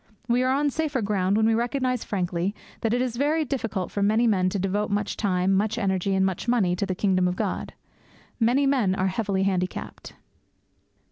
We are on safer ground when we recognize frankly that it is very difficult for many men to devote much time, much energy, and much money to the kingdom of God. Many men are heavily handicapped.